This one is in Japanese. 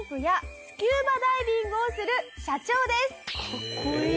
かっこいい！